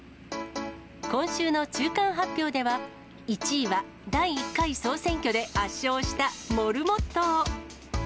今週の中間発表では、１位は第１回総選挙で圧勝したモルモッ党。